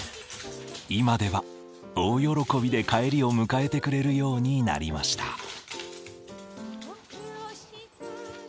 今では大喜びで帰りを迎えてくれるようになりました。